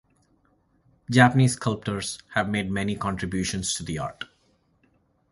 Japanese sculptors have made many contributions to the art.